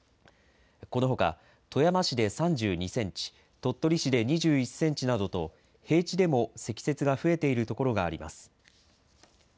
このほか富山市で３２センチ、鳥取市で２１センチなどと平地でも積雪が増えているところがあります。